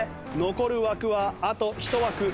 残る枠はあと１枠。